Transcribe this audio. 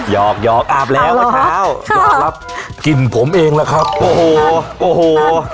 หยอกหยอกอาบแล้วเช้าหยอกแล้วกลิ่นผมเองแหละครับโอ้โหโอ้โห